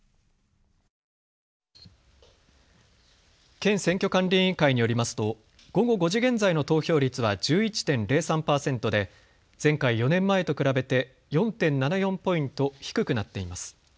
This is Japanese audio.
県選挙管理委員会によりますと午後５時現在の投票率は１１．０３％で前回４年前と比べて４．７４ポイント低くなっています。